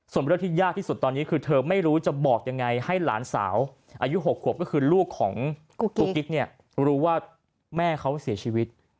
ส่วนเรื่องที่ยากที่สุดตอนนี้คือเธอไม่รู้จะบอกยังไงให้หลานสาวอายุ๖ขวบก็คือลูกของกุ๊กกิ๊กเนี่ยรู้ว่าแม่เขาเสียชีวิต